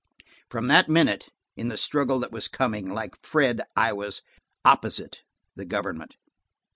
From that minute, in the struggle that was coming, like Fred, I was "forninst" the government.